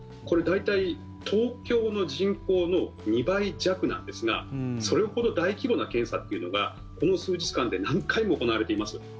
これ大体東京の人口の２倍弱なんですがそれほど大規模な検査というのがこの数日間で何回も行われています。